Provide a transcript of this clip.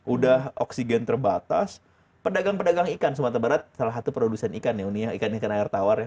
udah oksigen terbatas pedagang pedagang ikan sumatera barat salah satu produsen ikan ya uni yang ikan ikan air tawar ya